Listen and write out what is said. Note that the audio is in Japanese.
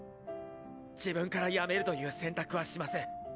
自分から辞めるという選択はしません。